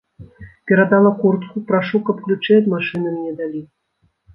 Перадала куртку, прашу, каб ключы ад машыны мне далі.